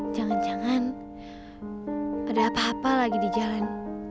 jangan jangan ada apa apa lagi di jalan